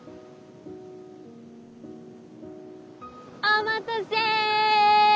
お待たせい！